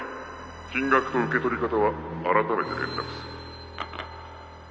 金額と受け取り方は改めて連絡する。